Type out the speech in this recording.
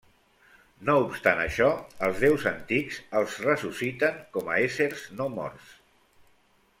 No obstant això, els Déus Antics els ressusciten com a éssers no morts.